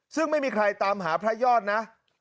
ซึ่งไม่มีใครตามหาพระยอดนะ